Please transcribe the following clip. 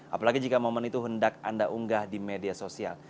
apalagi jika momen itu hendak anda unggah di media sosial